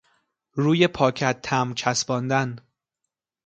روی پاکت تمبر چسباندن